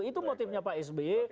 itu motifnya pak sby